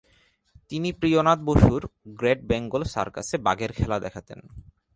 তিনি প্রিয়নাথ বসুর গ্রেট বেঙ্গল সার্কাসে বাঘের খেলা দেখাতেন।